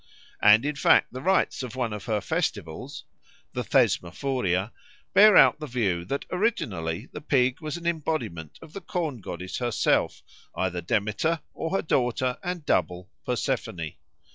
And in fact the rites of one of her festivals, the Thesmophoria, bear out the view that originally the pig was an embodiment of the corn goddess herself, either Demeter or her daughter and double Persephone.